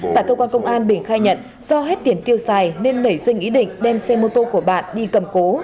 tại cơ quan công an bình khai nhận do hết tiền tiêu xài nên nảy sinh ý định đem xe mô tô của bạn đi cầm cố